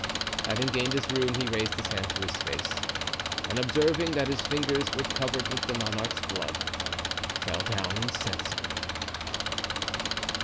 Having gained his room he raised his hand to his face, and observing that his fingers were covered with the monarch's blood, fell down insensible.